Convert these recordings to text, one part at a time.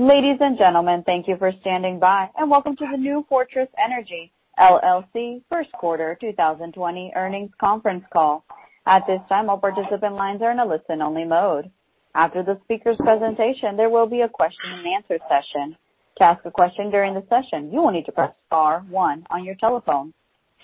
Ladies and gentlemen, thank you for standing by, and welcome to the New Fortress Energy LLC First Quarter 2020 Earnings Conference Call. At this time, all participant lines are in a listen-only mode. After the speaker's presentation, there will be a question-and-answer session. To ask a question during the session, you will need to press star one on your telephone.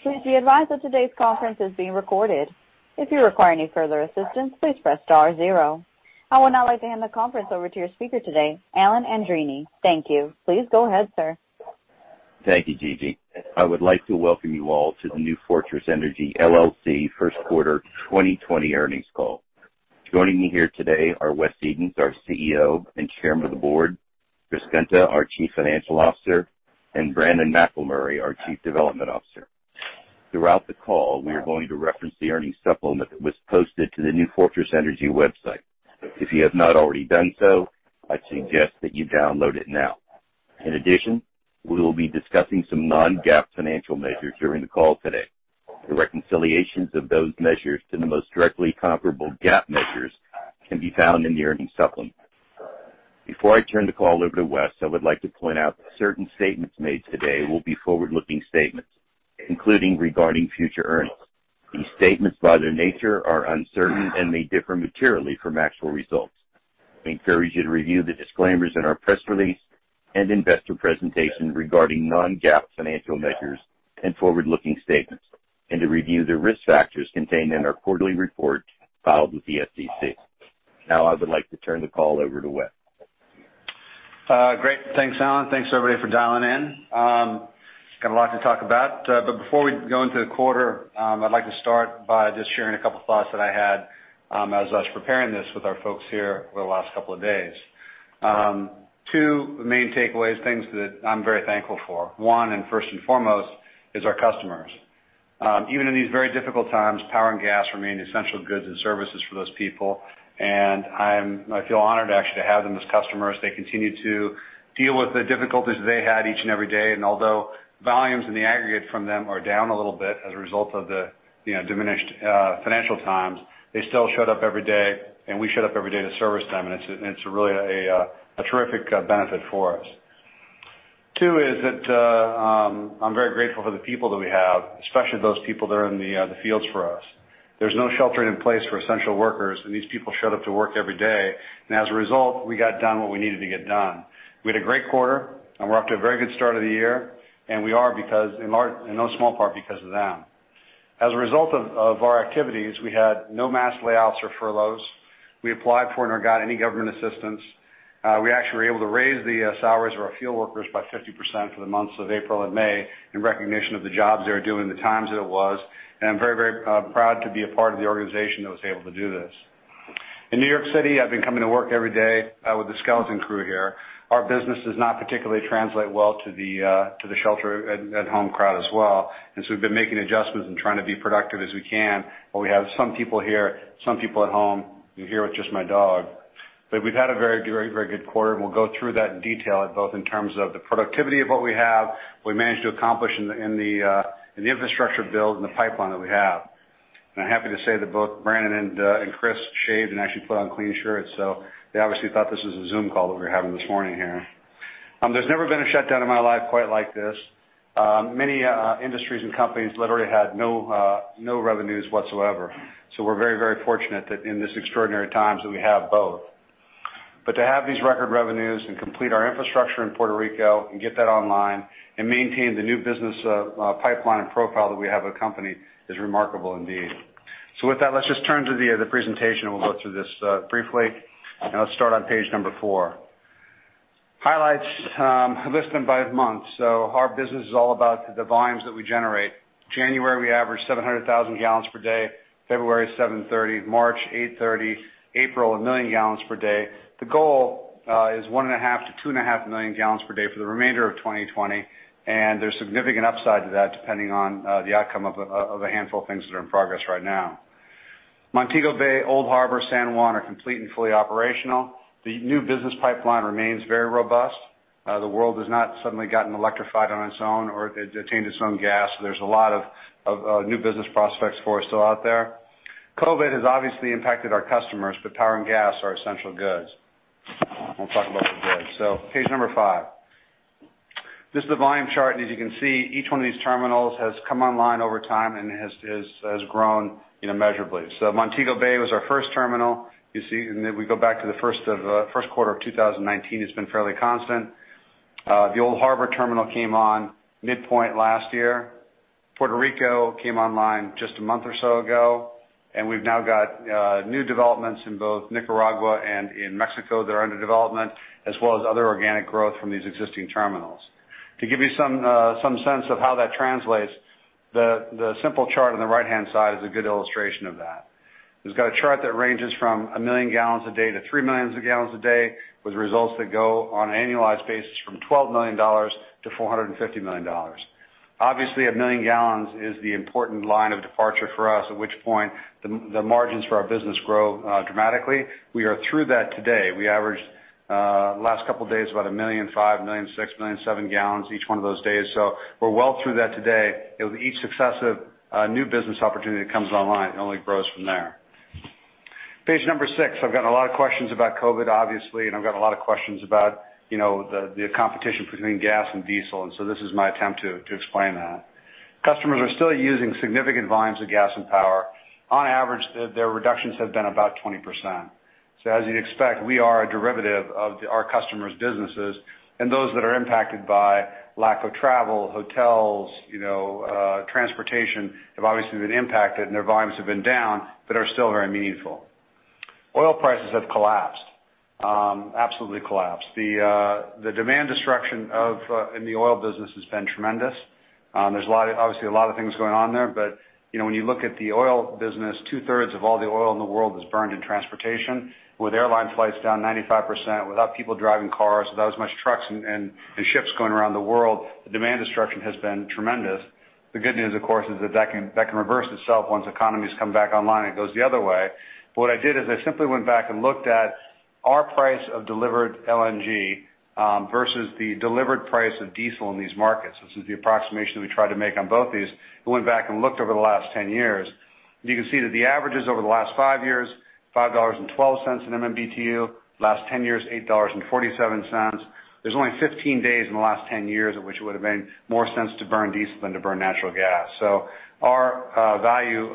Please be advised that today's conference is being recorded. If you require any further assistance, please press star zero. I would now like to hand the conference over to your speaker today, Alan Andreini. Thank you. Please go ahead, sir. Thank you, Gigi. I would like to welcome you all to the New Fortress Energy LLC First Quarter 2020 Earnings Call. Joining me here today are Wes Edens, our CEO and Chairman of the Board; Chris Guinta, our Chief Financial Officer; and Brannen McElmurray, our Chief Development Officer. Throughout the call, we are going to reference the earnings supplement that was posted to the New Fortress Energy website. If you have not already done so, I suggest that you download it now. In addition, we will be discussing some non-GAAP financial measures during the call today. The reconciliations of those measures to the most directly comparable GAAP measures can be found in the earnings supplement. Before I turn the call over to Wes, I would like to point out that certain statements made today will be forward-looking statements, including regarding future earnings. These statements, by their nature, are uncertain and may differ materially from actual results. We encourage you to review the disclaimers in our press release and investor presentation regarding non-GAAP financial measures and forward-looking statements, and to review the risk factors contained in our quarterly report filed with the SEC. Now, I would like to turn the call over to Wes. Great. Thanks, Alan. Thanks, everybody, for dialing in. Got a lot to talk about. But before we go into the quarter, I'd like to start by just sharing a couple of thoughts that I had as I was preparing this with our folks here over the last couple of days. Two main takeaways, things that I'm very thankful for. One, and first and foremost, is our customers. Even in these very difficult times, power and gas remain essential goods and services for those people. And I feel honored actually to have them as customers. They continue to deal with the difficulties they had each and every day. And although volumes in the aggregate from them are down a little bit as a result of the diminished financial times, they still showed up every day, and we showed up every day to service them. It's really a terrific benefit for us. Two is that I'm very grateful for the people that we have, especially those people that are in the fields for us. There's no sheltering in place for essential workers, and these people showed up to work every day. And as a result, we got done what we needed to get done. We had a great quarter, and we're off to a very good start of the year. And we are because, in no small part, because of them. As a result of our activities, we had no mass layoffs or furloughs. We applied for and got any government assistance. We actually were able to raise the salaries of our field workers by 50% for the months of April and May in recognition of the jobs they were doing, the times that it was. I'm very, very proud to be a part of the organization that was able to do this. In New York City, I've been coming to work every day with the skeleton crew here. Our business does not particularly translate well to the shelter-at-home crowd as well. And so we've been making adjustments and trying to be productive as we can. But we have some people here, some people at home. You're here with just my dog. But we've had a very, very good quarter, and we'll go through that in detail both in terms of the productivity of what we have, what we managed to accomplish in the infrastructure build and the pipeline that we have. And I'm happy to say that both Brannen and Chris shaved and actually put on clean shirts. So they obviously thought this was a Zoom call that we were having this morning here. There's never been a shutdown in my life quite like this. Many industries and companies literally had no revenues whatsoever. So we're very, very fortunate that in this extraordinary times that we have both. But to have these record revenues and complete our infrastructure in Puerto Rico and get that online and maintain the new business pipeline and profile that we have at the company is remarkable indeed. So with that, let's just turn to the presentation, and we'll go through this briefly. And let's start on page number four. Highlights listed by month. So our business is all about the volumes that we generate. January, we averaged 700,000 gallons per day. February, 730. March, 830. April, a million gallons per day. The goal is 1.5 million gallons-2.5 million gallons per day for the remainder of 2020. And there's significant upside to that depending on the outcome of a handful of things that are in progress right now. Montego Bay, Old Harbour, San Juan are complete and fully operational. The new business pipeline remains very robust. The world has not suddenly gotten electrified on its own or attained its own gas. There's a lot of new business prospects for us still out there. COVID has obviously impacted our customers, but power and gas are essential goods. We'll talk about the goods. So page number five. This is the volume chart. And as you can see, each one of these terminals has come online over time and has grown immeasurably. So Montego Bay was our first terminal. You see, and then we go back to the first quarter of 2019. It's been fairly constant. The Old Harbour terminal came on midpoint last year. Puerto Rico came online just a month or so ago, and we've now got new developments in both Nicaragua and in Mexico that are under development, as well as other organic growth from these existing terminals. To give you some sense of how that translates, the simple chart on the right-hand side is a good illustration of that. We've got a chart that ranges from a million gallons a day to three million gallons a day, with results that go on an annualized basis from $12 million to $450 million. Obviously, a million gallons is the important line of departure for us, at which point the margins for our business grow dramatically. We are through that today. We averaged last couple of days about 1.5 million, 1.6 million, 1.7 million gallons each one of those days, so we're well through that today. Each successive new business opportunity that comes online only grows from there. Page number six. I've gotten a lot of questions about COVID, obviously, and I've gotten a lot of questions about the competition between gas and diesel, and so this is my attempt to explain that. Customers are still using significant volumes of gas and power. On average, their reductions have been about 20%, so as you'd expect, we are a derivative of our customers' businesses, and those that are impacted by lack of travel, hotels, transportation have obviously been impacted, and their volumes have been down, but are still very meaningful. Oil prices have collapsed, absolutely collapsed. The demand destruction in the oil business has been tremendous. There's obviously a lot of things going on there. But when you look at the oil business, 2/3 of all the oil in the world is burned in transportation, with airline flights down 95%, without people driving cars, without as much trucks and ships going around the world, the demand destruction has been tremendous. The good news, of course, is that that can reverse itself once the economy has come back online and it goes the other way. But what I did is I simply went back and looked at our price of delivered LNG versus the delivered price of diesel in these markets. This is the approximation that we tried to make on both these. We went back and looked over the last 10 years. You can see that the averages over the last five years, $5.12 in MMBtu. Last 10 years, $8.47. There's only 15 days in the last 10 years at which it would have made more sense to burn diesel than to burn natural gas, so our value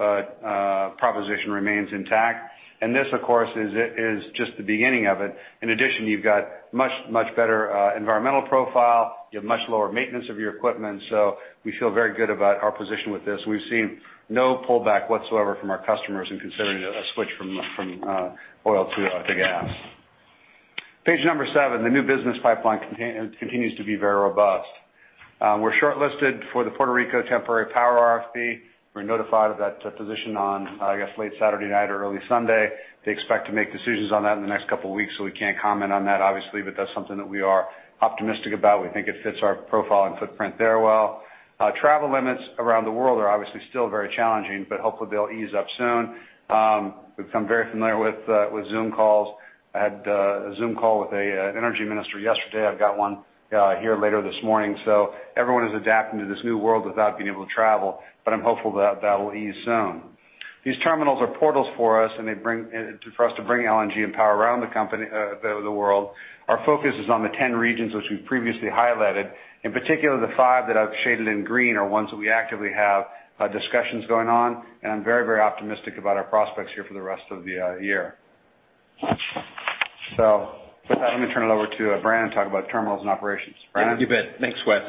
proposition remains intact, and this, of course, is just the beginning of it. In addition, you've got much, much better environmental profile. You have much lower maintenance of your equipment, so we feel very good about our position with this. We've seen no pullback whatsoever from our customers in considering a switch from oil to gas. Page number seven, the new business pipeline continues to be very robust. We're shortlisted for the Puerto Rico Temporary Power RFP. We're notified of that position on, I guess, late Saturday night or early Sunday. They expect to make decisions on that in the next couple of weeks, so we can't comment on that, obviously, but that's something that we are optimistic about. We think it fits our profile and footprint there well. Travel limits around the world are obviously still very challenging, but hopefully they'll ease up soon. We've become very familiar with Zoom calls. I had a Zoom call with an energy minister yesterday. I've got one here later this morning, so everyone is adapting to this new world without being able to travel, but I'm hopeful that that will ease soon. These terminals are portals for us to bring LNG and power around the world. Our focus is on the 10 regions, which we've previously highlighted. In particular, the five that I've shaded in green are ones that we actively have discussions going on, and I'm very, very optimistic about our prospects here for the rest of the year, so with that, let me turn it over to Brannen and talk about terminals and operations. Thank you, Alan. Thanks, Wes.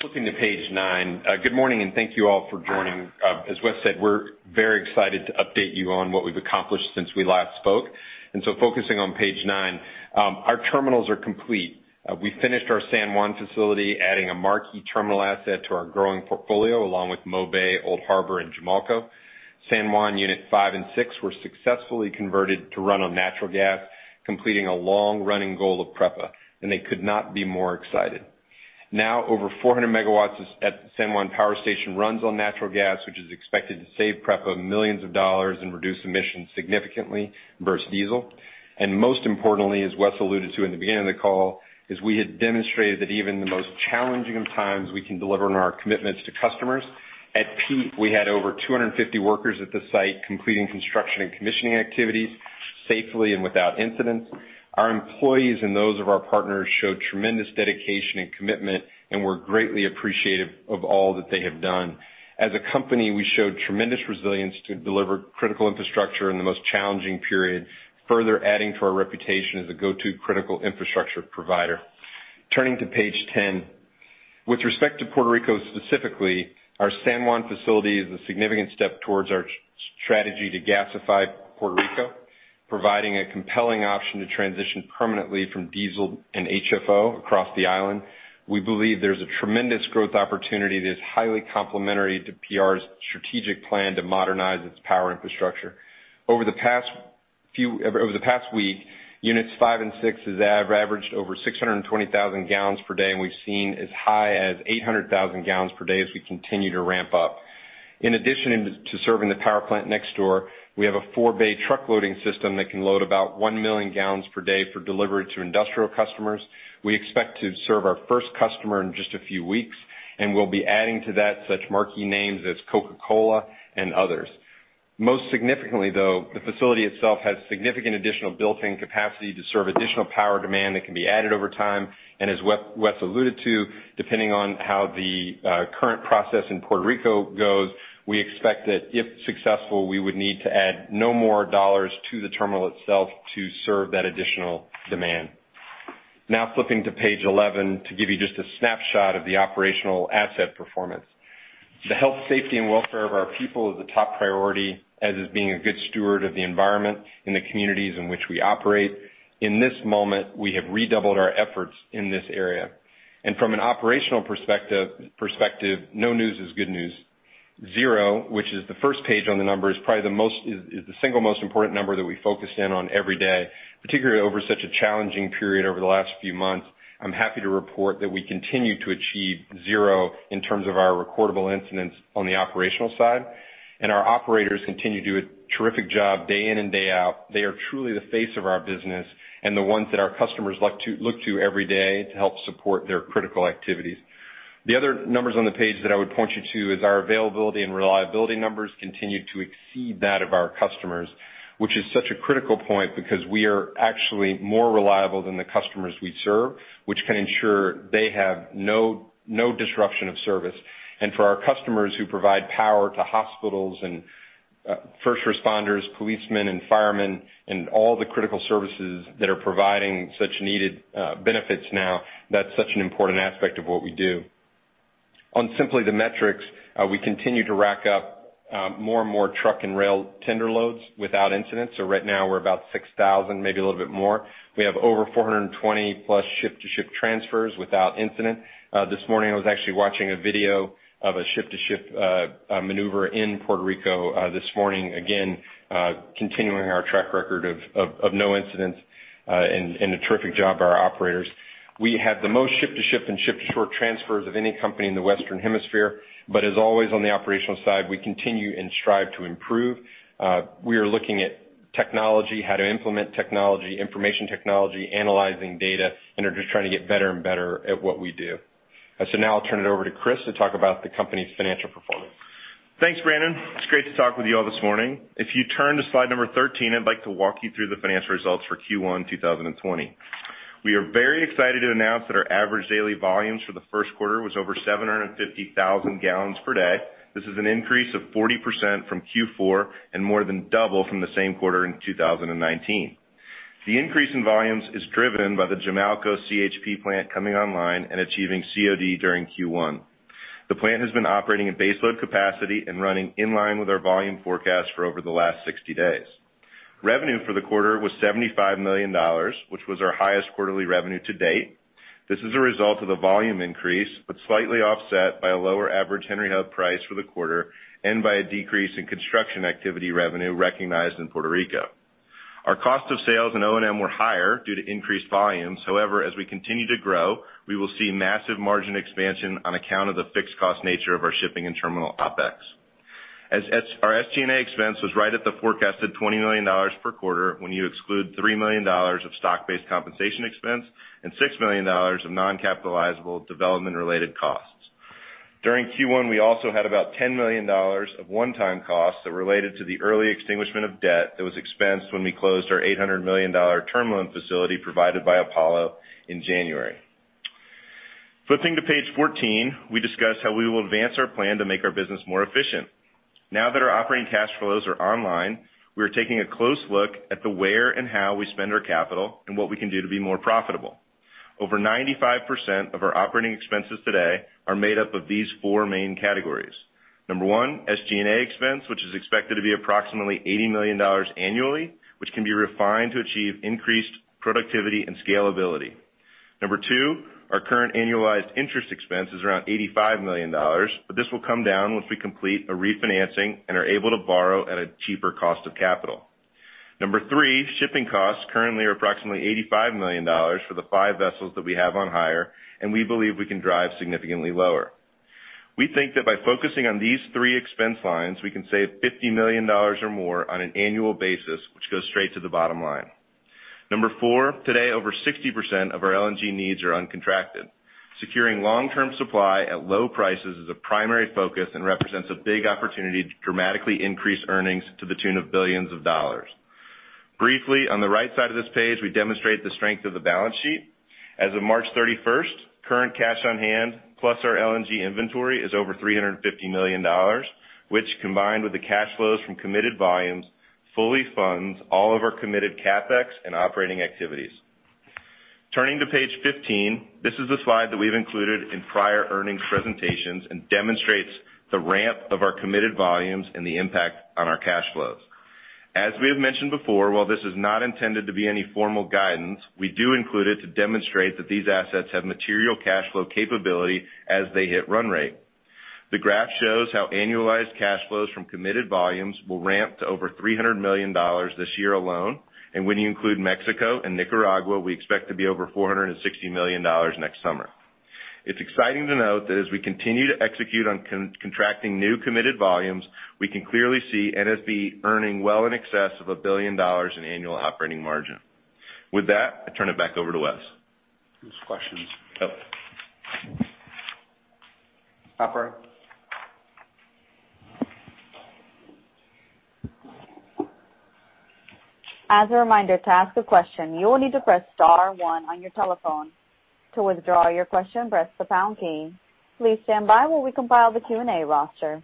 Flipping to page nine. Good morning, and thank you all for joining. As Wes said, we're very excited to update you on what we've accomplished since we last spoke. And so focusing on page nine, our terminals are complete. We finished our San Juan facility, adding a marquee terminal asset to our growing portfolio, along with Mobay, Old Harbour, and Jamalco. San Juan Units 5 and 6 were successfully converted to run on natural gas, completing a long-running goal of PREPA. And they could not be more excited. Now, over 400 megawatts at San Juan Power Station runs on natural gas, which is expected to save PREPA millions of dollars and reduce emissions significantly versus diesel. Most importantly, as Wes alluded to in the beginning of the call, is we had demonstrated that even in the most challenging of times, we can deliver on our commitments to customers. At peak, we had over 250 workers at the site completing construction and commissioning activities safely and without incidents. Our employees and those of our partners showed tremendous dedication and commitment and were greatly appreciative of all that they have done. As a company, we showed tremendous resilience to deliver critical infrastructure in the most challenging period, further adding to our reputation as a go-to critical infrastructure provider. Turning to page 10, with respect to Puerto Rico specifically, our San Juan facility is a significant step towards our strategy to gasify Puerto Rico, providing a compelling option to transition permanently from diesel and HFO across the island. We believe there's a tremendous growth opportunity that is highly complementary to PR's strategic plan to modernize its power infrastructure. Over the past week, units five and six have averaged over 620,000 gallons per day, and we've seen as high as 800,000 gallons per day as we continue to ramp up. In addition to serving the power plant next door, we have a four-bay truck loading system that can load about one million gallons per day for delivery to industrial customers. We expect to serve our first customer in just a few weeks, and we'll be adding to that such marquee names as Coca-Cola and others. Most significantly, though, the facility itself has significant additional built-in capacity to serve additional power demand that can be added over time. And as Wes alluded to, depending on how the current process in Puerto Rico goes, we expect that if successful, we would need to add no more dollars to the terminal itself to serve that additional demand. Now, flipping to page 11 to give you just a snapshot of the operational asset performance. The health, safety, and welfare of our people is the top priority, as is being a good steward of the environment in the communities in which we operate. In this moment, we have redoubled our efforts in this area. And from an operational perspective, no news is good news. Zero, which is the first number on the page, is probably the single most important number that we focus in on every day, particularly over such a challenging period over the last few months. I'm happy to report that we continue to achieve zero in terms of our recordable incidents on the operational side, and our operators continue to do a terrific job day in and day out. They are truly the face of our business and the ones that our customers look to every day to help support their critical activities. The other numbers on the page that I would point you to is our availability and reliability numbers continue to exceed that of our customers, which is such a critical point because we are actually more reliable than the customers we serve, which can ensure they have no disruption of service, and for our customers who provide power to hospitals and first responders, policemen, and firemen, and all the critical services that are providing such needed benefits now, that's such an important aspect of what we do. On simply the metrics, we continue to rack up more and more truck and rail tender loads without incidents. So right now, we're about 6,000, maybe a little bit more. We have over 420+ ship-to-ship transfers without incident. This morning, I was actually watching a video of a ship-to-ship maneuver in Puerto Rico this morning, again, continuing our track record of no incidents and a terrific job by our operators. We have the most ship-to-ship and ship-to-shore transfers of any company in the Western Hemisphere. But as always on the operational side, we continue and strive to improve. We are looking at technology, how to implement technology, information technology, analyzing data, and are just trying to get better and better at what we do. So now I'll turn it over to Chris to talk about the company's financial performance. Thanks, Brannen. It's great to talk with you all this morning. If you turn to slide number 13, I'd like to walk you through the financial results for Q1 2020. We are very excited to announce that our average daily volumes for the first quarter was over 750,000 gallons per day. This is an increase of 40% from Q4 and more than double from the same quarter in 2019. The increase in volumes is driven by the Jamalco CHP plant coming online and achieving COD during Q1. The plant has been operating at base load capacity and running in line with our volume forecast for over the last 60 days. Revenue for the quarter was $75 million, which was our highest quarterly revenue to date. This is a result of the volume increase, but slightly offset by a lower average Henry Hub price for the quarter and by a decrease in construction activity revenue recognized in Puerto Rico. Our cost of sales and O&M were higher due to increased volumes. However, as we continue to grow, we will see massive margin expansion on account of the fixed cost nature of our shipping and terminal OpEx. Our SG&A expense was right at the forecasted $20 million per quarter when you exclude $3 million of stock-based compensation expense and $6 million of non-capitalizable development-related costs. During Q1, we also had about $10 million of one-time costs that related to the early extinguishment of debt that was expensed when we closed our $800 million terminal facility provided by Apollo in January. Flipping to page 14, we discuss how we will advance our plan to make our business more efficient. Now that our operating cash flows are online, we are taking a close look at the where and how we spend our capital and what we can do to be more profitable. Over 95% of our operating expenses today are made up of these four main categories. Number one, SG&A expense, which is expected to be approximately $80 million annually, which can be refined to achieve increased productivity and scalability. Number two, our current annualized interest expense is around $85 million, but this will come down once we complete a refinancing and are able to borrow at a cheaper cost of capital. Number three, shipping costs currently are approximately $85 million for the five vessels that we have on hire, and we believe we can drive significantly lower. We think that by focusing on these three expense lines, we can save $50 million or more on an annual basis, which goes straight to the bottom line. Number four, today, over 60% of our LNG needs are uncontracted. Securing long-term supply at low prices is a primary focus and represents a big opportunity to dramatically increase earnings to the tune of billions of dollars. Briefly, on the right side of this page, we demonstrate the strength of the balance sheet. As of March 31st, current cash on hand plus our LNG inventory is over $350 million, which combined with the cash flows from committed volumes fully funds all of our committed CapEx and operating activities. Turning to page 15, this is the slide that we've included in prior earnings presentations and demonstrates the ramp of our committed volumes and the impact on our cash flows. As we have mentioned before, while this is not intended to be any formal guidance, we do include it to demonstrate that these assets have material cash flow capability as they hit run rate. The graph shows how annualized cash flows from committed volumes will ramp to over $300 million this year alone, and when you include Mexico and Nicaragua, we expect to be over $460 million next summer. It's exciting to note that as we continue to execute on contracting new committed volumes, we can clearly see NFE earning well in excess of $1 billion in annual operating margin. With that, I turn it back over to Wes. Questions. As a reminder, to ask a question, you will need to press star one on your telephone. To withdraw your question, press the pound key. Please stand by while we compile the Q&A roster.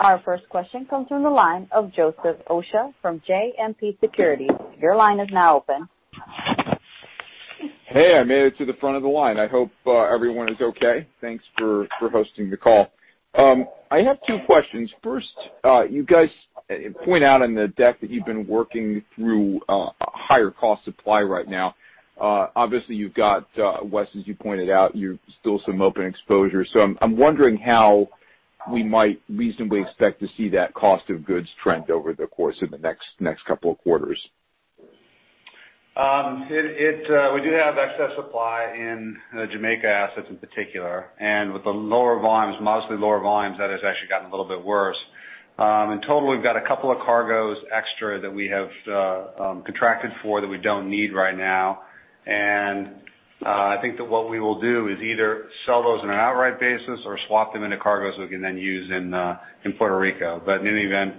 Our first question comes from the line of Joseph Osha from JMP Securities. Your line is now open. Hey, I made it to the front of the line. I hope everyone is okay. Thanks for hosting the call. I have two questions. First, you guys point out on the deck that you've been working through a higher cost supply right now. Obviously, you've got, Wes, as you pointed out, still some open exposure. So I'm wondering how we might reasonably expect to see that cost of goods trend over the course of the next couple of quarters. We do have excess supply in Jamaica assets in particular, and with the lower volumes, modestly lower volumes, that has actually gotten a little bit worse. In total, we've got a couple of cargoes extra that we have contracted for that we don't need right now, and I think that what we will do is either sell those on an outright basis or swap them into cargoes that we can then use in Puerto Rico, but in any event,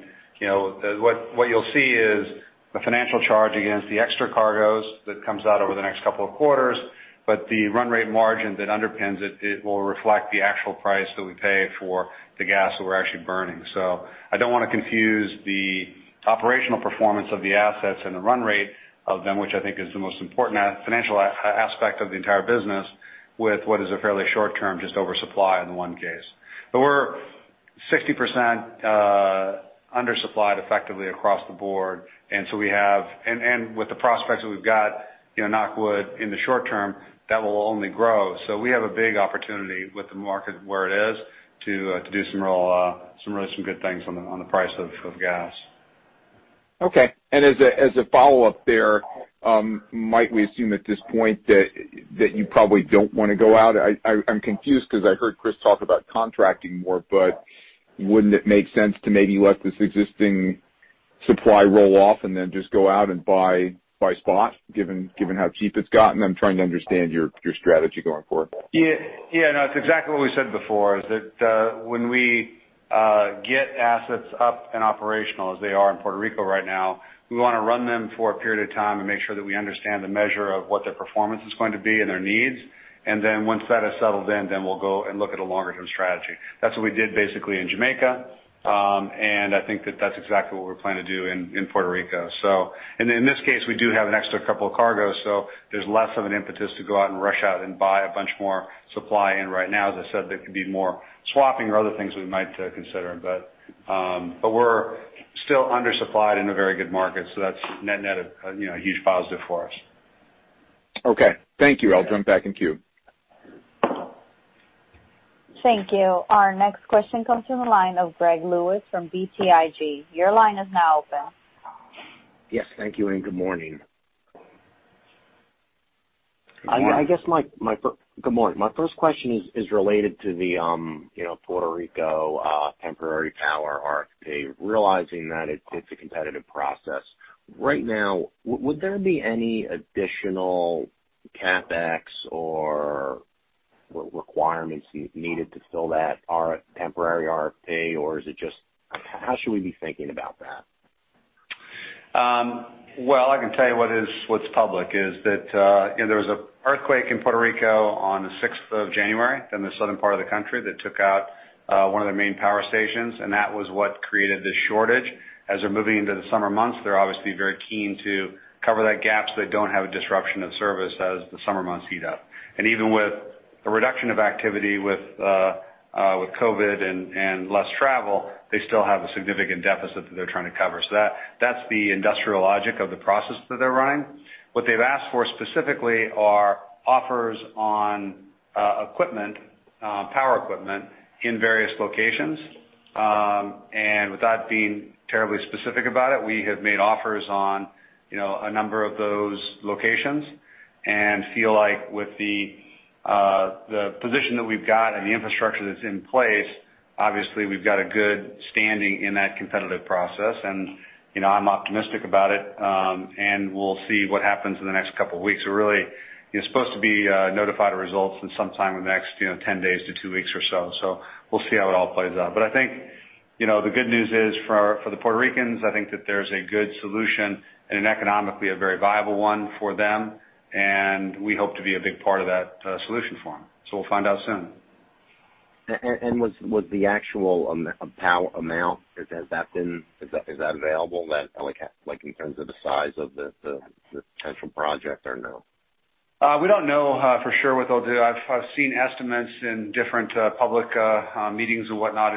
what you'll see is the financial charge against the extra cargoes that comes out over the next couple of quarters, but the run rate margin that underpins it will reflect the actual price that we pay for the gas that we're actually burning. So I don't want to confuse the operational performance of the assets and the run rate of them, which I think is the most important financial aspect of the entire business, with what is a fairly short-term just oversupply in one case. But we're 60% undersupplied effectively across the board. And so we have, and with the prospects that we've got, knock wood, in the short term, that will only grow. So we have a big opportunity with the market where it is to do some really good things on the price of gas. Okay. And as a follow-up there, might we assume at this point that you probably don't want to go out? I'm confused because I heard Chris talk about contracting more, but wouldn't it make sense to maybe let this existing supply roll off and then just go out and buy spot given how cheap it's gotten? I'm trying to understand your strategy going forward. Yeah. No, it's exactly what we said before, that when we get assets up and operational as they are in Puerto Rico right now, we want to run them for a period of time and make sure that we understand the measure of what their performance is going to be and their needs, and then once that has settled in, then we'll go and look at a longer-term strategy. That's what we did basically in Jamaica, and I think that that's exactly what we're planning to do in Puerto Rico, so in this case, we do have an extra couple of cargoes, so there's less of an impetus to go out and rush out and buy a bunch more supply in right now. As I said, there could be more swapping or other things we might consider. But we're still undersupplied in a very good market, so that's net-net a huge positive for us. Okay. Thank you. I'll jump back in queue. Thank you. Our next question comes from the line of Greg Lewis from BTIG. Your line is now open. Yes. Thank you and good morning. Good morning. My first question is related to the Puerto Rico temporary power RFP, realizing that it's a competitive process. Right now, would there be any additional CapEx or requirements needed to fill that temporary RFP, or is it just, how should we be thinking about that? I can tell you what's public, is that there was an earthquake in Puerto Rico on the 6th of January in the southern part of the country that took out one of their main power stations. That was what created this shortage. As we're moving into the summer months, they're obviously very keen to cover that gap so they don't have a disruption of service as the summer months heat up. Even with a reduction of activity with COVID and less travel, they still have a significant deficit that they're trying to cover. That's the industrial logic of the process that they're running. What they've asked for specifically are offers on equipment, power equipment in various locations. Without being terribly specific about it, we have made offers on a number of those locations. And feel like with the position that we've got and the infrastructure that's in place, obviously, we've got a good standing in that competitive process. And I'm optimistic about it. And we'll see what happens in the next couple of weeks. We're really supposed to be notified of results in some time in the next 10 days to two weeks or so. So we'll see how it all plays out. But I think the good news is for the Puerto Ricans. I think that there's a good solution and an economically very viable one for them. And we hope to be a big part of that solution for them. So we'll find out soon. And was the actual power amount, has that been, is that available in terms of the size of the potential project or no? We don't know for sure what they'll do. I've seen estimates in different public meetings and whatnot,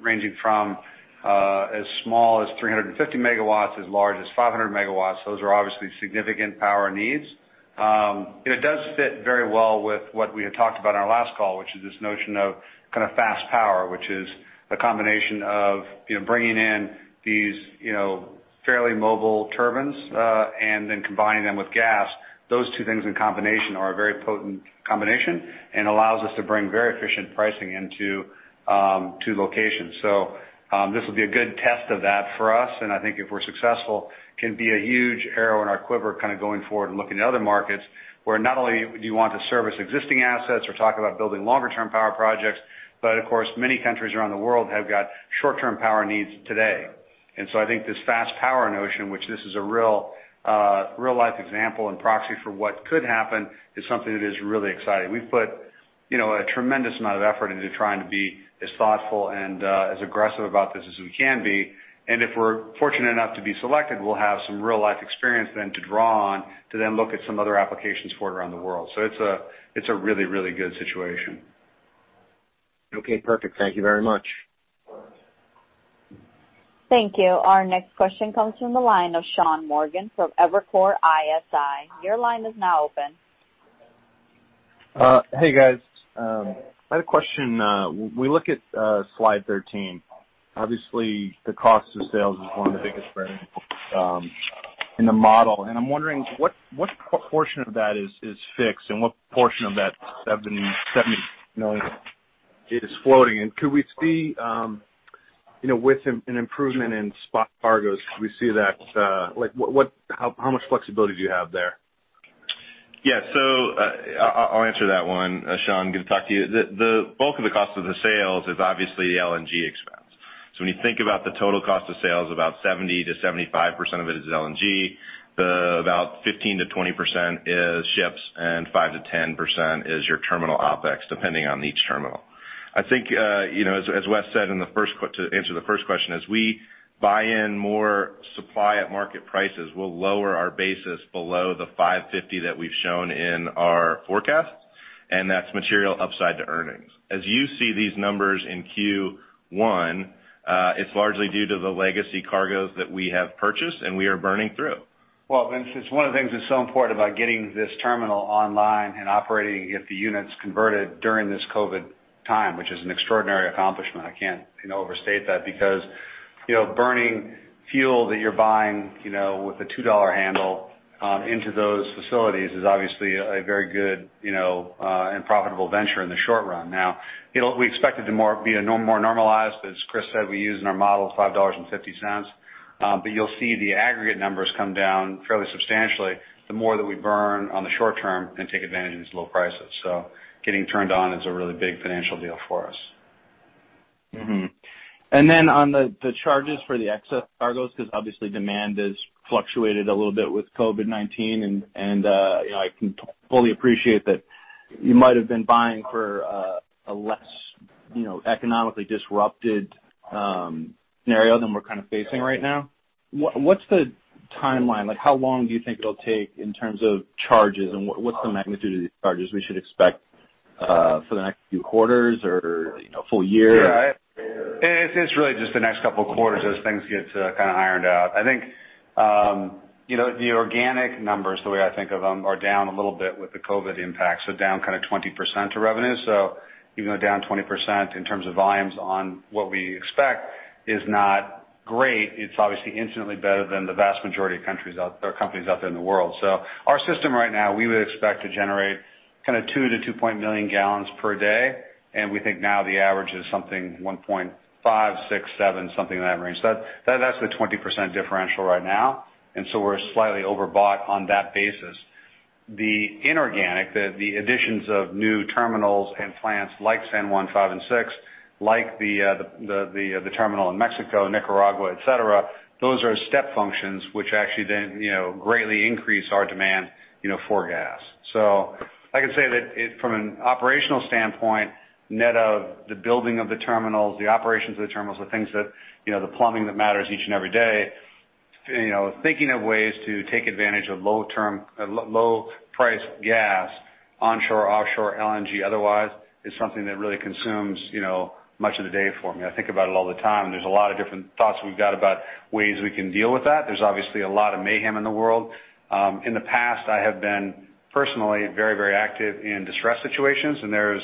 ranging from as small as 350 MW as large as 500 MW. Those are obviously significant power needs. It does fit very well with what we had talked about in our last call, which is this notion of kind of fast power, which is a combination of bringing in these fairly mobile turbines and then combining them with gas. Those two things in combination are a very potent combination and allows us to bring very efficient pricing into locations. So this will be a good test of that for us. And I think if we're successful, it can be a huge arrow in our quiver kind of going forward and looking at other markets where not only do you want to service existing assets or talk about building longer-term power projects, but of course, many countries around the world have got short-term power needs today. And so I think this fast power notion, which this is a real-life example and proxy for what could happen, is something that is really exciting. We've put a tremendous amount of effort into trying to be as thoughtful and as aggressive about this as we can be. And if we're fortunate enough to be selected, we'll have some real-life experience then to draw on to then look at some other applications for it around the world. So it's a really, really good situation. Okay. Perfect. Thank you very much. Thank you. Our next question comes from the line of Sean Morgan from Evercore ISI. Your line is now open. Hey, guys. I had a question. We look at slide 13. Obviously, the cost of sales is one of the biggest variables in the model. And I'm wondering what portion of that is fixed and what portion of that $70 million is floating? And could we see with an improvement in spot cargoes, could we see that? How much flexibility do you have there? Yeah. So I'll answer that one, Sean. Good to talk to you. The bulk of the cost of the sales is obviously the LNG expense. So when you think about the total cost of sales, about 70%-75% of it is LNG. About 15%-20% is ships and 5%-10% is your terminal OpEx, depending on each terminal. I think, as Wes said in the first to answer the first question, as we buy in more supply at market prices, we'll lower our basis below the $5.50 that we've shown in our forecast. And that's material upside to earnings. As you see these numbers in Q1, it's largely due to the legacy cargoes that we have purchased and we are burning through. Well, Vince, it's one of the things that's so important about getting this terminal online and operating if the unit's converted during this COVID time, which is an extraordinary accomplishment. I can't overstate that because burning fuel that you're buying with a $2 handle into those facilities is obviously a very good and profitable venture in the short run. Now, we expect it to be more normalized, but as Chris said, we use in our model $5.50. But you'll see the aggregate numbers come down fairly substantially the more that we burn on the short term and take advantage of these low prices. So getting turned on is a really big financial deal for us. And then on the charges for the excess cargoes, because obviously demand has fluctuated a little bit with COVID-19, and I can fully appreciate that you might have been buying for a less economically disrupted scenario than we're kind of facing right now. What's the timeline? How long do you think it'll take in terms of charges? And what's the magnitude of these charges we should expect for the next few quarters or full year? Yeah. It's really just the next couple of quarters as things get kind of ironed out. I think the organic numbers, the way I think of them, are down a little bit with the COVID impact. So down kind of 20% to revenue. So even though down 20% in terms of volumes on what we expect is not great, it's obviously infinitely better than the vast majority of companies out there in the world. So our system right now, we would expect to generate kind of 2 million-2.1 million gallons per day. And we think now the average is something 1.5, 6, 7, something in that range. That's the 20% differential right now. And so we're slightly overbought on that basis. The inorganic, the additions of new terminals and plants like San Juan 5 and 6, like the terminal in Mexico, Nicaragua, etc., those are step functions which actually then greatly increase our demand for gas. So I can say that from an operational standpoint, net of the building of the terminals, the operations of the terminals, the things that the plumbing that matters each and every day, thinking of ways to take advantage of low-priced gas, onshore, offshore, LNG, otherwise, is something that really consumes much of the day for me. I think about it all the time. There's a lot of different thoughts we've got about ways we can deal with that. There's obviously a lot of mayhem in the world. In the past, I have been personally very, very active in distress situations, and there's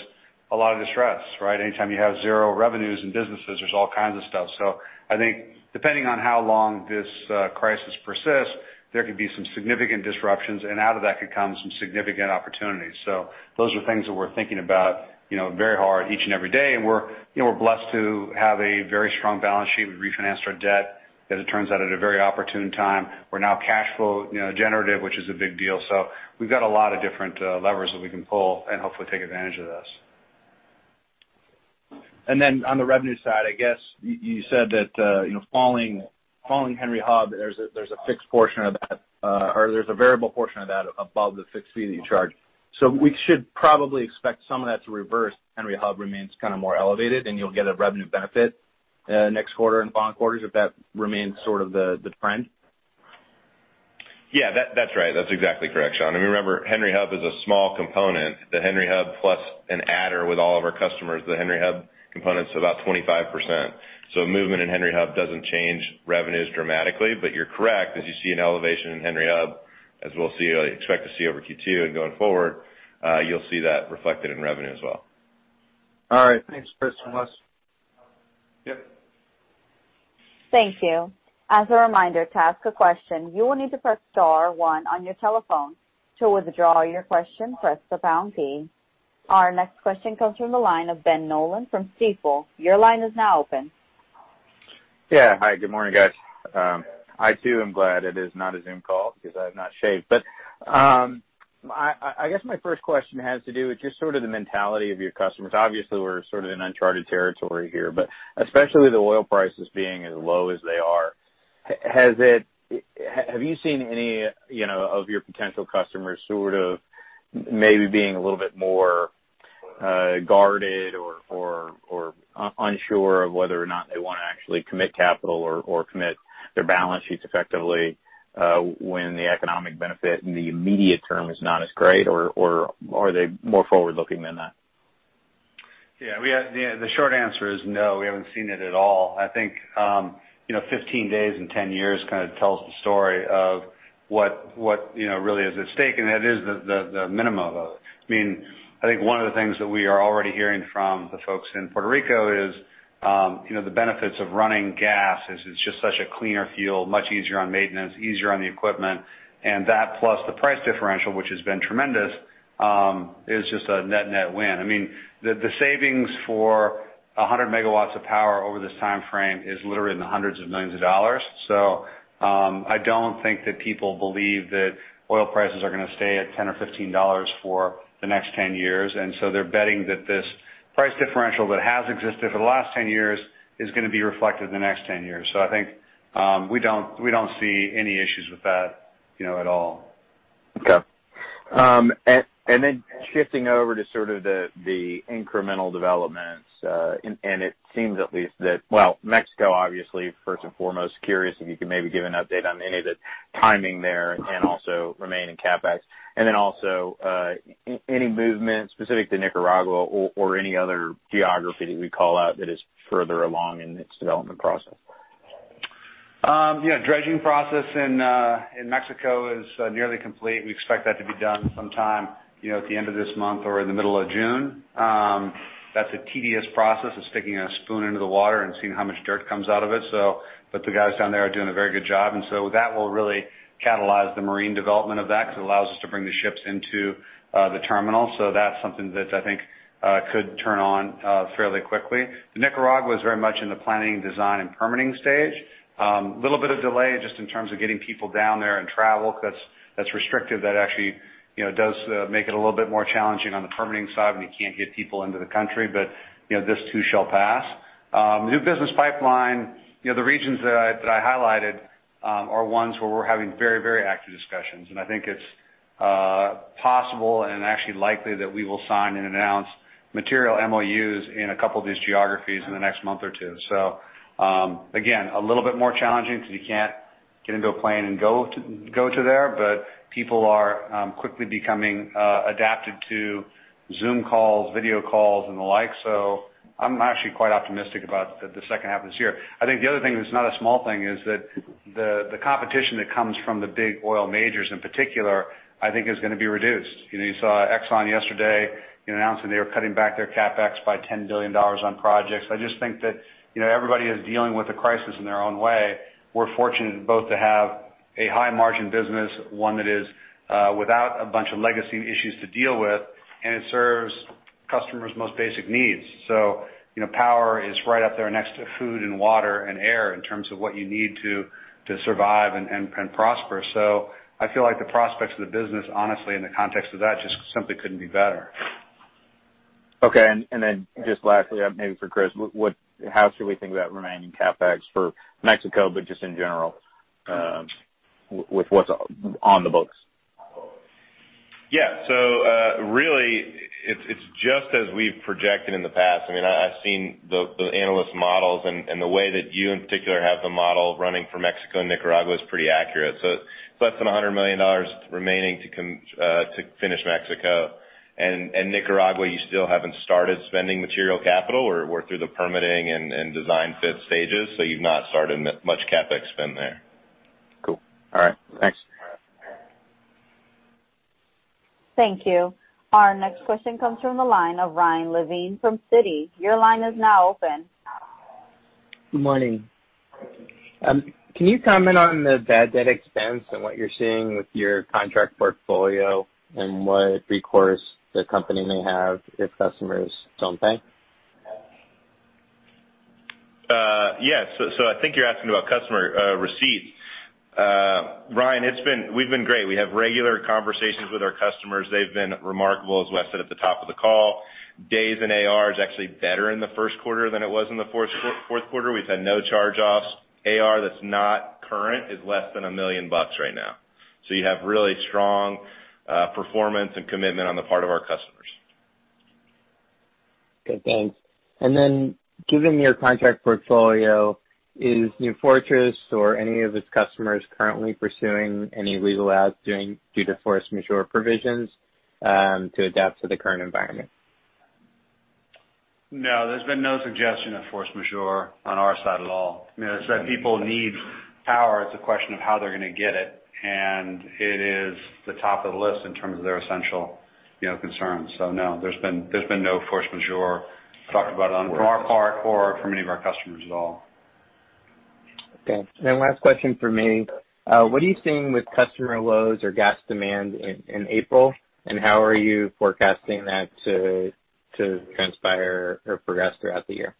a lot of distress, right? Anytime you have zero revenues in businesses, there's all kinds of stuff. So I think depending on how long this crisis persists, there could be some significant disruptions. And out of that could come some significant opportunities. So those are things that we're thinking about very hard each and every day. And we're blessed to have a very strong balance sheet. We refinanced our debt. As it turns out, at a very opportune time, we're now cash flow generative, which is a big deal. So we've got a lot of different levers that we can pull and hopefully take advantage of this. And then on the revenue side, I guess you said that following Henry Hub, there's a fixed portion of that, or there's a variable portion of that above the fixed fee that you charge. So we should probably expect some of that to reverse if Henry Hub remains kind of more elevated, and you'll get a revenue benefit next quarter and following quarters if that remains sort of the trend. Yeah. That's right. That's exactly correct, Sean. And remember, Henry Hub is a small component. The Henry Hub plus an adder, with all of our customers, the Henry Hub component's about 25%. So movement in Henry Hub doesn't change revenues dramatically. But you're correct, as you see an elevation in Henry Hub, as we'll expect to see over Q2 and going forward, you'll see that reflected in revenue as well. All right. Thanks, Chris and Wes. Yep. Thank you. As a reminder, to ask a question, you will need to press star one on your telephone. To withdraw your question, press the pound key. Our next question comes from the line of Ben Nolan from Stifel. Your line is now open. Yeah. Hi. Good morning, guys. I too am glad it is not a Zoom call because I have not shaved. But I guess my first question has to do with just sort of the mentality of your customers. Obviously, we're sort of in uncharted territory here, but especially the oil prices being as low as they are. Have you seen any of your potential customers sort of maybe being a little bit more guarded or unsure of whether or not they want to actually commit capital or commit their balance sheets effectively when the economic benefit in the immediate term is not as great? Or are they more forward-looking than that? Yeah. The short answer is no. We haven't seen it at all. I think 15 days and 10 years kind of tells the story of what really is at stake. And that is the minimum of it. I mean, I think one of the things that we are already hearing from the folks in Puerto Rico is the benefits of running gas is it's just such a cleaner fuel, much easier on maintenance, easier on the equipment. And that plus the price differential, which has been tremendous, is just a net-net win. I mean, the savings for 100 megawatts of power over this timeframe is literally in the hundreds of millions of dollars. So I don't think that people believe that oil prices are going to stay at $10 or $15 for the next 10 years. And so they're betting that this price differential that has existed for the last 10 years is going to be reflected in the next 10 years. So I think we don't see any issues with that at all. Okay. And then shifting over to sort of the incremental developments. And it seems at least that, well, Mexico, obviously, first and foremost, curious if you could maybe give an update on any of the timing there and also remaining CapEx. And then also any movement specific to Nicaragua or any other geography that we call out that is further along in its development process? Yeah. Dredging process in Mexico is nearly complete. We expect that to be done sometime at the end of this month or in the middle of June. That's a tedious process of sticking a spoon into the water and seeing how much dirt comes out of it, but the guys down there are doing a very good job, and so that will really catalyze the marine development of that because it allows us to bring the ships into the terminal, so that's something that I think could turn on fairly quickly. Nicaragua is very much in the planning, design, and permitting stage. A little bit of delay just in terms of getting people down there and travel because that's restrictive. That actually does make it a little bit more challenging on the permitting side when you can't get people into the country, but this too shall pass. New business pipeline, the regions that I highlighted are ones where we're having very, very active discussions. And I think it's possible and actually likely that we will sign and announce material MOUs in a couple of these geographies in the next month or two. So again, a little bit more challenging because you can't get into a plane and go to there. But people are quickly becoming adapted to Zoom calls, video calls, and the like. So I'm actually quite optimistic about the second half of this year. I think the other thing that's not a small thing is that the competition that comes from the big oil majors in particular, I think, is going to be reduced. You saw Exxon yesterday announcing they were cutting back their CapEx by $10 billion on projects. I just think that everybody is dealing with the crisis in their own way. We're fortunate both to have a high-margin business, one that is without a bunch of legacy issues to deal with, and it serves customers' most basic needs. So power is right up there next to food and water and air in terms of what you need to survive and prosper. So I feel like the prospects of the business, honestly, in the context of that, just simply couldn't be better. Okay. And then just lastly, maybe for Chris, how should we think about remaining CapEx for Mexico, but just in general with what's on the books? Yeah. So really, it's just as we've projected in the past. I mean, I've seen the analyst models and the way that you in particular have the model running for Mexico and Nicaragua is pretty accurate. So it's less than $100 million remaining to finish Mexico. And Nicaragua, you still haven't started spending material capital or through the permitting and design phase stages. So you've not started much CapEx spend there. Cool. All right. Thanks. Thank you. Our next question comes from the line of Ryan Levine from Citi. Your line is now open. Good morning. Can you comment on the bad debt expense and what you're seeing with your contract portfolio and what recourse the company may have if customers don't pay? Yeah. So I think you're asking about customer receipts. Ryan, we've been great. We have regular conversations with our customers. They've been remarkable, as Wes said at the top of the call. Days in AR is actually better in the first quarter than it was in the fourth quarter. We've had no charge-offs. AR that's not current is less than $1 million right now. So you have really strong performance and commitment on the part of our customers. Good. Thanks, and then given your contract portfolio, is New Fortress Energy LLC or any of its customers currently pursuing any legal acts due to force majeure provisions to adapt to the current environment? No. There's been no suggestion of force majeure on our side at all. I mean, as I said, people need power. It's a question of how they're going to get it, and it is the top of the list in terms of their essential concerns, so no, there's been no force majeure talked about from our part or from any of our customers at all. Okay. And then last question for me. What are you seeing with customer loads or gas demand in April? And how are you forecasting that to transpire or progress throughout the year?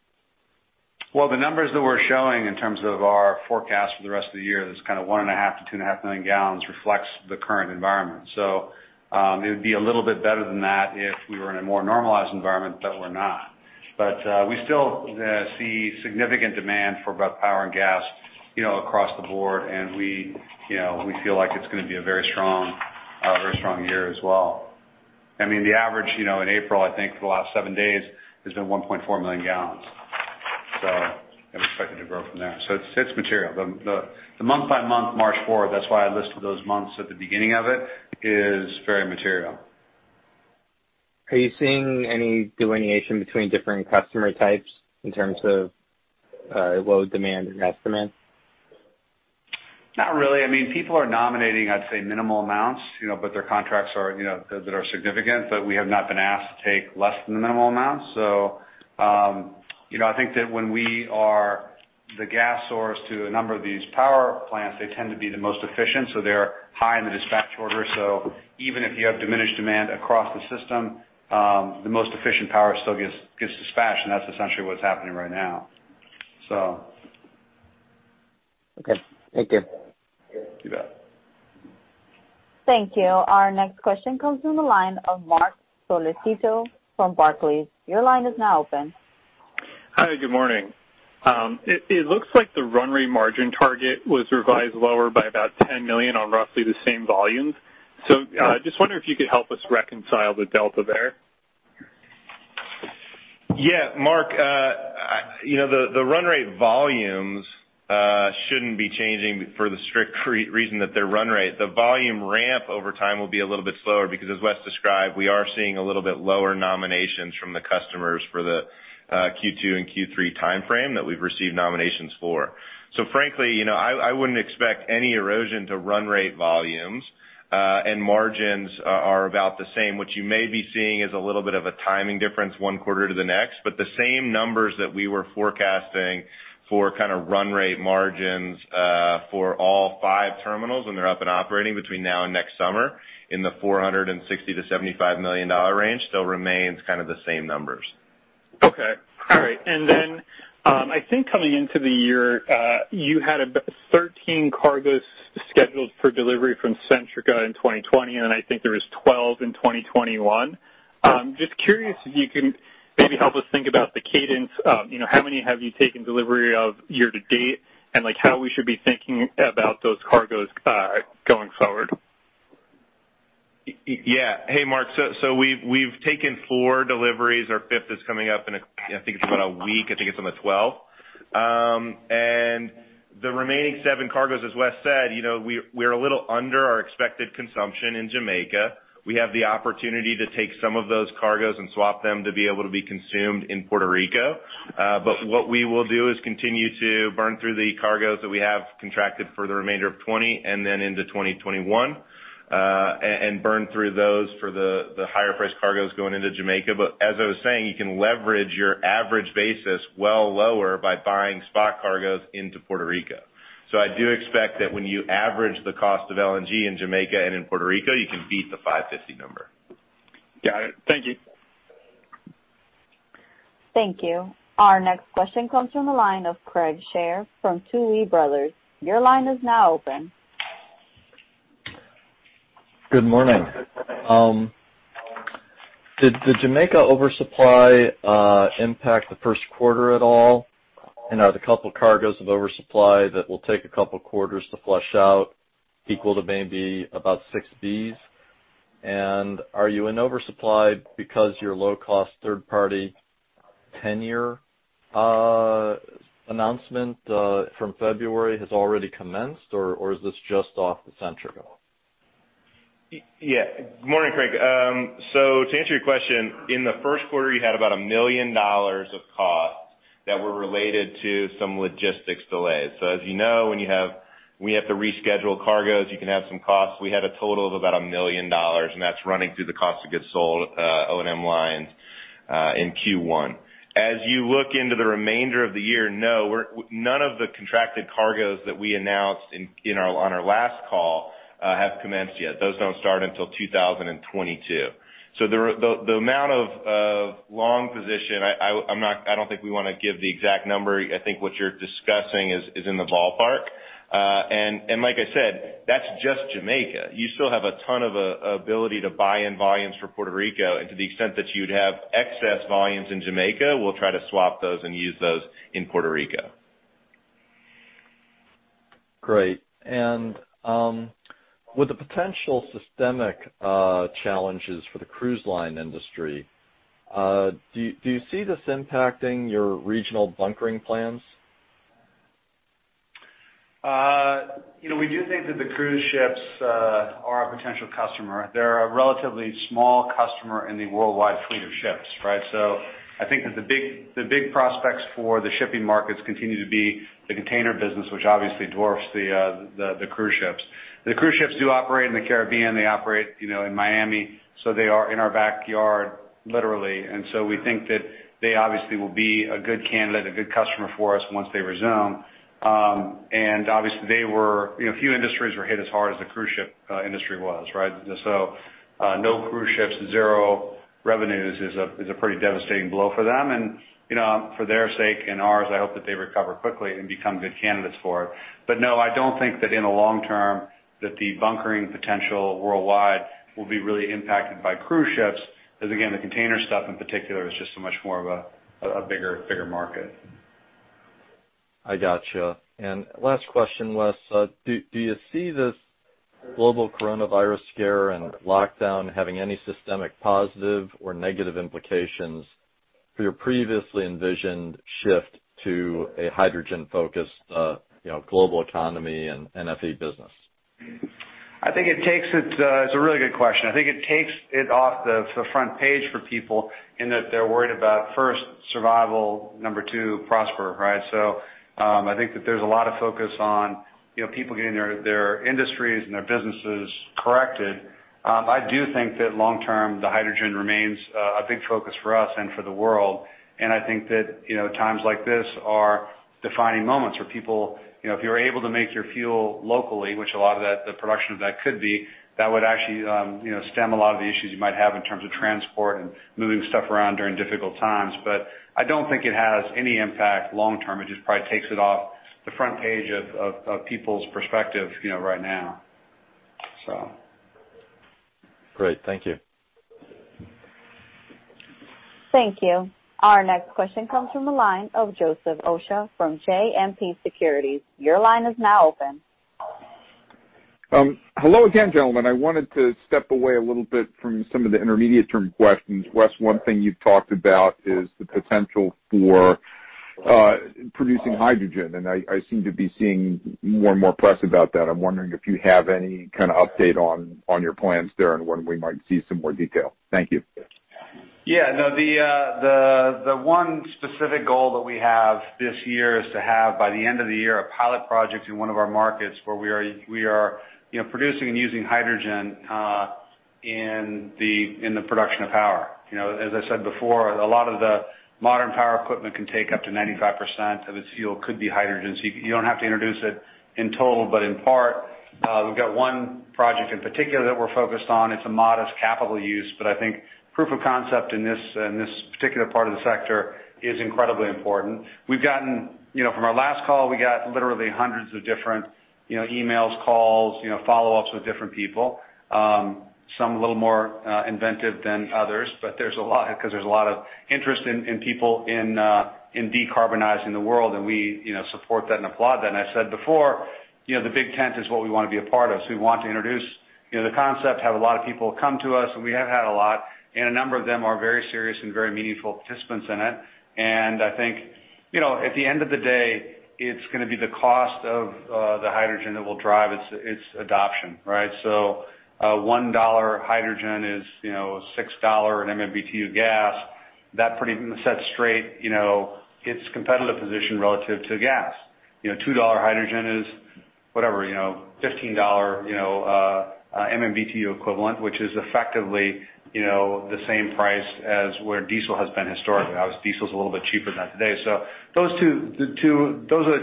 The numbers that we're showing in terms of our forecast for the rest of the year, there's kind of 1.5 million-2.5 million gallons reflects the current environment. So it would be a little bit better than that if we were in a more normalized environment, but we're not. But we still see significant demand for both power and gas across the board. And we feel like it's going to be a very strong year as well. I mean, the average in April, I think for the last seven days, has been 1.4 million gallons. So I expect it to grow from there. So it's material. The month-by-month, March, April, that's why I listed those months at the beginning of it, is very material. Are you seeing any delineation between different customer types in terms of load demand and estimate? Not really. I mean, people are nominating, I'd say, minimal amounts, but their contracts that are significant. But we have not been asked to take less than the minimal amounts. So I think that when we are the gas source to a number of these power plants, they tend to be the most efficient. So they're high in the dispatch order. So even if you have diminished demand across the system, the most efficient power still gets dispatched. And that's essentially what's happening right now, so. Okay. Thank you. You bet. Thank you. Our next question comes from the line of Marc Solecitto from Barclays. Your line is now open. Hi. Good morning. It looks like the run rate margin target was revised lower by about $10 million on roughly the same volumes. So I just wonder if you could help us reconcile the delta there. Yeah. Mark, the run rate volumes shouldn't be changing for the strict reason that they're run rate. The volume ramp over time will be a little bit slower because, as Wes described, we are seeing a little bit lower nominations from the customers for the Q2 and Q3 timeframe that we've received nominations for. So frankly, I wouldn't expect any erosion to run rate volumes. And margins are about the same. What you may be seeing is a little bit of a timing difference one quarter to the next. But the same numbers that we were forecasting for kind of run rate margins for all five terminals when they're up and operating between now and next summer in the $46 million-$75 million range still remains kind of the same numbers. Okay. All right. And then I think coming into the year, you had about 13 cargoes scheduled for delivery from Centrica in 2020. And then I think there was 12 in 2021. Just curious if you can maybe help us think about the cadence. How many have you taken delivery of year to date? And how we should be thinking about those cargoes going forward? Yeah. Hey, Mark. So we've taken four deliveries. Our fifth is coming up in, I think, about a week. I think it's on the 12th, and the remaining seven cargoes, as Wes said, we are a little under our expected consumption in Jamaica. We have the opportunity to take some of those cargoes and swap them to be able to be consumed in Puerto Rico. But what we will do is continue to burn through the cargoes that we have contracted for the remainder of 2020 and then into 2021 and burn through those for the higher price cargoes going into Jamaica. But as I was saying, you can leverage your average basis well lower by buying spot cargoes into Puerto Rico. So I do expect that when you average the cost of LNG in Jamaica and in Puerto Rico, you can beat the 550 number. Got it. Thank you. Thank you. Our next question comes from the line of Craig Shere from Tuohy Brothers. Your line is now open. Good morning. Did the Jamaica oversupply impact the first quarter at all? And are the couple of cargoes of oversupply that will take a couple of quarters to flush out equal to maybe about six B's? And are you in oversupply because your low-cost third-party terminal announcement from February has already commenced? Or is this just off the Centrica? Yeah. Good morning, Craig. So to answer your question, in the first quarter, you had about $1 million of cost that were related to some logistics delays. So as you know, when you have to reschedule cargoes, you can have some costs. We had a total of about $1 million. And that's running through the cost of goods sold, O&M lines in Q1. As you look into the remainder of the year, no, none of the contracted cargoes that we announced on our last call have commenced yet. Those don't start until 2022. So the amount of long position, I don't think we want to give the exact number. I think what you're discussing is in the ballpark. And like I said, that's just Jamaica. You still have a ton of ability to buy in volumes for Puerto Rico. To the extent that you'd have excess volumes in Jamaica, we'll try to swap those and use those in Puerto Rico. Great. And with the potential systemic challenges for the cruise line industry, do you see this impacting your regional bunkering plans? We do think that the cruise ships are a potential customer. They're a relatively small customer in the worldwide fleet of ships, right? So I think that the big prospects for the shipping markets continue to be the container business, which obviously dwarfs the cruise ships. The cruise ships do operate in the Caribbean. They operate in Miami. So they are in our backyard, literally. And so we think that they obviously will be a good candidate, a good customer for us once they resume. And obviously, a few industries were hit as hard as the cruise ship industry was, right? So no cruise ships, zero revenues is a pretty devastating blow for them. And for their sake and ours, I hope that they recover quickly and become good candidates for it. But no, I don't think that in the long term that the bunkering potential worldwide will be really impacted by cruise ships. Because again, the container stuff in particular is just so much more of a bigger market. I gotcha. And last question, Wes. Do you see this global coronavirus scare and lockdown having any systemic positive or negative implications for your previously envisioned shift to a hydrogen-focused global economy and NFE business? I think it takes. It's a really good question. I think it takes it off the front page for people in that they're worried about, first, survival, number two, prosper, right? So I think that there's a lot of focus on people getting their industries and their businesses corrected. I do think that long term, the hydrogen remains a big focus for us and for the world. And I think that times like this are defining moments where people, if you're able to make your fuel locally, which a lot of the production of that could be, that would actually stem a lot of the issues you might have in terms of transport and moving stuff around during difficult times. But I don't think it has any impact long term. It just probably takes it off the front page of people's perspective right now, so. Great. Thank you. Thank you. Our next question comes from the line of Joseph Osha from JMP Securities. Your line is now open. Hello again, gentlemen. I wanted to step away a little bit from some of the intermediate-term questions. Wes, one thing you've talked about is the potential for producing hydrogen. And I seem to be seeing more and more press about that. I'm wondering if you have any kind of update on your plans there and when we might see some more detail. Thank you. Yeah. No, the one specific goal that we have this year is to have, by the end of the year, a pilot project in one of our markets where we are producing and using hydrogen in the production of power. As I said before, a lot of the modern power equipment can take up to 95% of its fuel could be hydrogen. So you don't have to introduce it in total, but in part. We've got one project in particular that we're focused on. It's a modest capital use. But I think proof of concept in this particular part of the sector is incredibly important. From our last call, we got literally hundreds of different emails, calls, follow-ups with different people, some a little more inventive than others. But there's a lot because there's a lot of interest in people in decarbonizing the world. And we support that and applaud that. And I said before, the big tent is what we want to be a part of. So we want to introduce the concept, have a lot of people come to us. And we have had a lot. And a number of them are very serious and very meaningful participants in it. And I think at the end of the day, it's going to be the cost of the hydrogen that will drive its adoption, right? So $1 hydrogen is $6 an MMBtu gas. That pretty much sets straight its competitive position relative to gas. $2 hydrogen is whatever, $15 MMBtu equivalent, which is effectively the same price as where diesel has been historically. Obviously, diesel's a little bit cheaper than that today. So those are the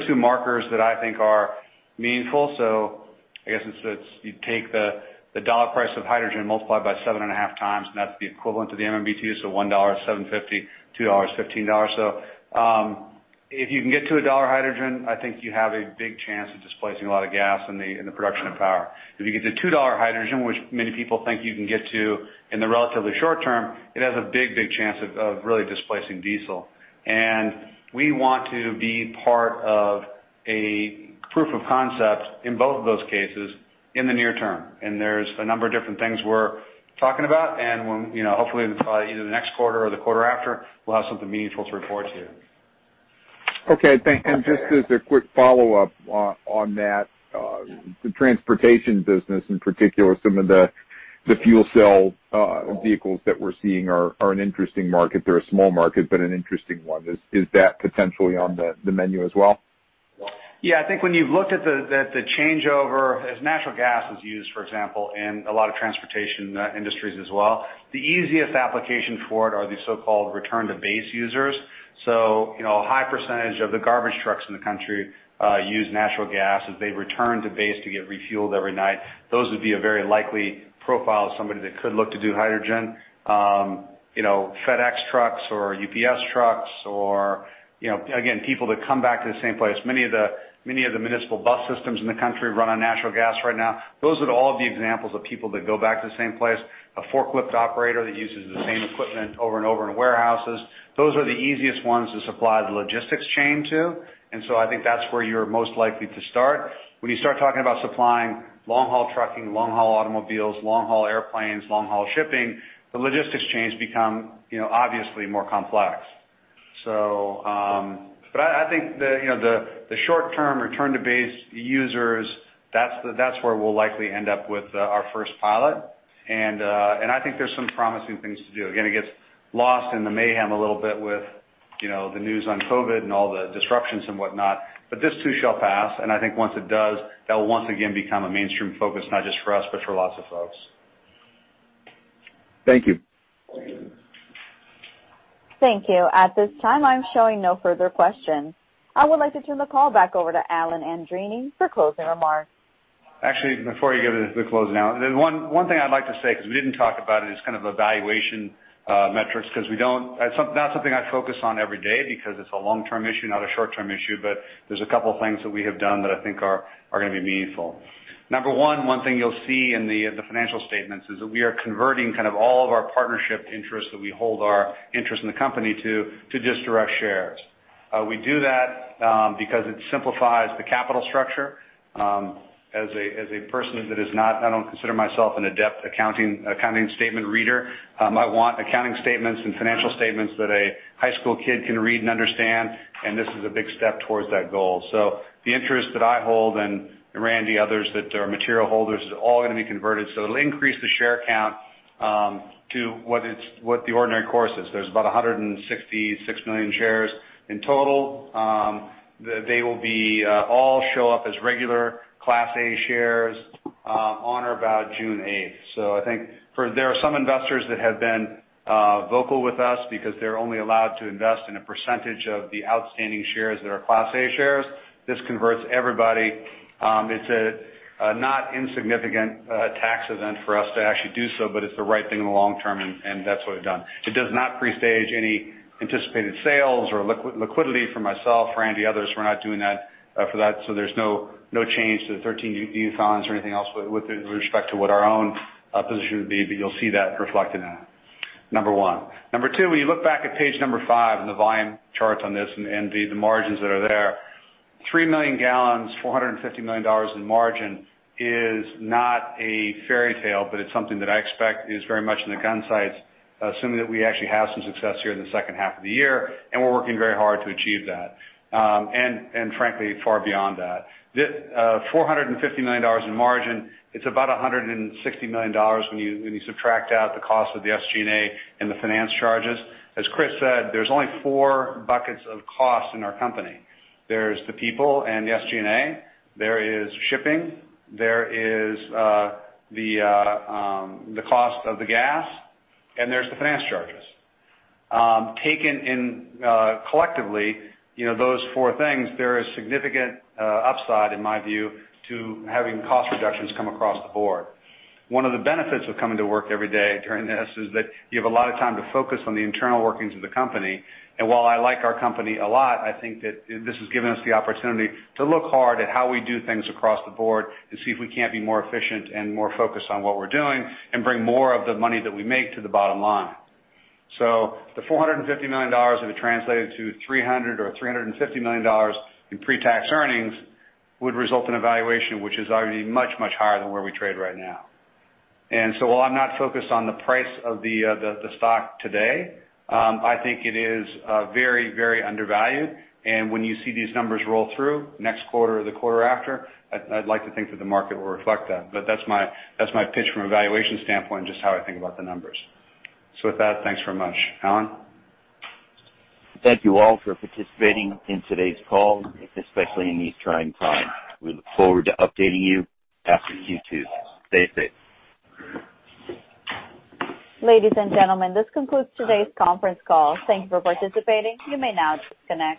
two markers that I think are meaningful. So I guess you take the dollar price of hydrogen multiplied by 7.5x, and that's the equivalent to the MMBtu. So $1 is 7.50, $2 is 15. So if you can get to a dollar hydrogen, I think you have a big chance of displacing a lot of gas in the production of power. If you get to $2 hydrogen, which many people think you can get to in the relatively short term, it has a big, big chance of really displacing diesel. And we want to be part of a proof of concept in both of those cases in the near term. And there's a number of different things we're talking about. And hopefully, either the next quarter or the quarter after, we'll have something meaningful to report to you. Okay. Thank you, and just as a quick follow-up on that, the transportation business in particular, some of the fuel cell vehicles that we're seeing are an interesting market. They're a small market, but an interesting one. Is that potentially on the menu as well? Yeah. I think when you've looked at the changeover, as natural gas is used, for example, in a lot of transportation industries as well, the easiest application for it are the so-called return-to-base users. So a high percentage of the garbage trucks in the country use natural gas as they return to base to get refueled every night. Those would be a very likely profile of somebody that could look to do hydrogen. FedEx trucks or UPS trucks or, again, people that come back to the same place. Many of the municipal bus systems in the country run on natural gas right now. Those are all the examples of people that go back to the same place. A forklift operator that uses the same equipment over and over in warehouses. Those are the easiest ones to supply the logistics chain to. I think that's where you're most likely to start. When you start talking about supplying long-haul trucking, long-haul automobiles, long-haul airplanes, long-haul shipping, the logistics chains become obviously more complex. But I think the short-term return-to-base users, that's where we'll likely end up with our first pilot. And I think there's some promising things to do. Again, it gets lost in the mayhem a little bit with the news on COVID and all the disruptions and whatnot. But this too shall pass. And I think once it does, that will once again become a mainstream focus, not just for us, but for lots of folks. Thank you. Thank you. At this time, I'm showing no further questions. I would like to turn the call back over to Alan Andreini for closing remarks. Actually, before you get into the closing now, one thing I'd like to say because we didn't talk about it is kind of evaluation metrics because we don't. That's something I focus on every day because it's a long-term issue, not a short-term issue. But there's a couple of things that we have done that I think are going to be meaningful. Number one, one thing you'll see in the financial statements is that we are converting kind of all of our partnership interests that we hold our interest in the company to just direct shares. We do that because it simplifies the capital structure. As a person that is not, I don't consider myself an adept accounting statement reader. I want accounting statements and financial statements that a high school kid can read and understand, and this is a big step towards that goal. So the interest that I hold and Randy, others that are material holders, is all going to be converted. So it'll increase the share count to what the ordinary course is. There's about 166 million shares in total. They will all show up as regular Class A shares on or about June 8th. So I think there are some investors that have been vocal with us because they're only allowed to invest in a percentage of the outstanding shares that are Class A shares. This converts everybody. It's a not insignificant tax event for us to actually do so, but it's the right thing in the long term. And that's what we've done. It does not pre-stage any anticipated sales or liquidity for myself, Randy, others. We're not doing that for that. So there's no change to the 13U funds or anything else with respect to what our own position would be. But you'll see that reflected in that, number one. Number two, when you look back at page number five and the volume chart on this and the margins that are there, three million gallons, $450 million in margin is not a fairy tale, but it's something that I expect is very much in the gun sights, assuming that we actually have some success here in the second half of the year. And we're working very hard to achieve that. And frankly, far beyond that. $450 million in margin, it's about $160 million when you subtract out the cost of the SG&A and the finance charges. As Chris said, there's only four buckets of cost in our company. There's the people and the SG&A. There is shipping. There is the cost of the gas. And there's the finance charges. Taken collectively, those four things, there is significant upside, in my view, to having cost reductions come across the board. One of the benefits of coming to work every day during this is that you have a lot of time to focus on the internal workings of the company. And while I like our company a lot, I think that this has given us the opportunity to look hard at how we do things across the board and see if we can't be more efficient and more focused on what we're doing and bring more of the money that we make to the bottom line. So the $450 million would have translated to $300 million or $350 million in pre-tax earnings would result in a valuation which is already much, much higher than where we trade right now. And so while I'm not focused on the price of the stock today, I think it is very, very undervalued. And when you see these numbers roll through next quarter or the quarter after, I'd like to think that the market will reflect that. But that's my pitch from a valuation standpoint and just how I think about the numbers. So with that, thanks very much. Alan? Thank you all for participating in today's call, especially in these trying times. We look forward to updating you after Q2. Stay safe. Ladies and gentlemen, this concludes today's conference call. Thank you for participating. You may now disconnect.